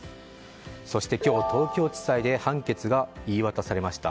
そして今日、東京地裁で判決が言い渡されました。